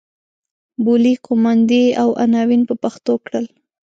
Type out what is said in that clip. بولۍ قوماندې او عناوین په پښتو کړل.